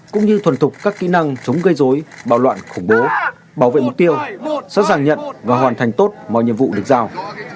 cũng như thuần thục các kỹ năng chống gây dối bạo loạn khủng bố bảo vệ mục tiêu sẵn sàng nhận và hoàn thành tốt mọi nhiệm vụ được giao